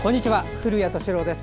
古谷敏郎です。